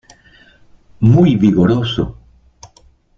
Muy vigoroso.